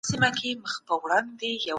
بې انصافي د قهر احساس زياتوي.